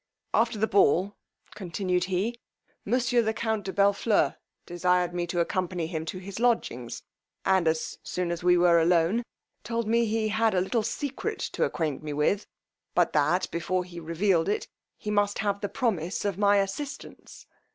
After the ball, continued he, monsieur the count de Bellfleur desired me to accompany him to his lodgings, and, as soon as we were alone, told me, he had a little secret to acquaint me with, but that, before he revealed it, he must have the promise of my assistance.